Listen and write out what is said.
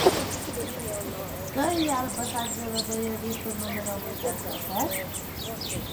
Què hi ha al passatge de Bellavista número vuitanta-set?